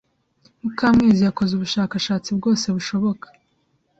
Mukamwezi yakoze ubushakashatsi bwose bushoboka.